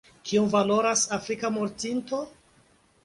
Kiom valoras afrika mortinto?